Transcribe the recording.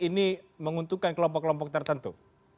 ini menguntungkan kelompok kelompok tertentu